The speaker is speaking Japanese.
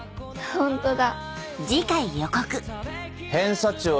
ホントだ。